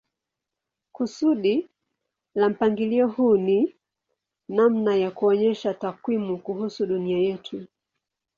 Kusudi la mpangilio huu ni namna ya kuonyesha takwimu kuhusu dunia yetu.